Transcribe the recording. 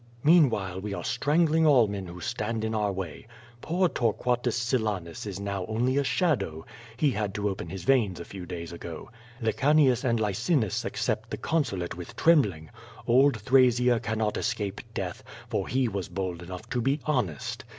Meanwhile we are strangling all men who stand in our way. Poor Torquatus Silanus is now only a shadow. He had to open his veins a few days ago. Lecanius and Licinus accept the Consulate with trembling. Old Thrasea cannot escape death, for he was bold enough to be honest.